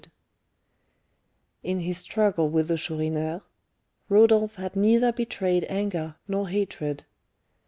Merrill] In his struggle with the Chourineur, Rodolph had neither betrayed anger nor hatred.